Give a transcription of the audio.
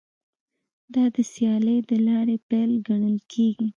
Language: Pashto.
دا د سیالۍ د لارې پیل ګڼل کیږي